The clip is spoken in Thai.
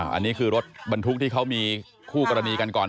อันนี้คือรถบรรทุกที่เขามีคู่กรณีกันก่อน